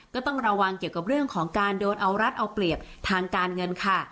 ก็ต้องระวังเกี่ยวกับเรื่องของการโดนเอารัดเอาเปรียบทางการเงินค่ะ